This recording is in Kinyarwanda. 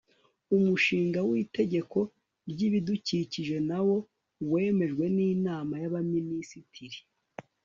umushinga w'itegeko ry'ibidukikije nawo wemejwe n'inama y'abaminisitiri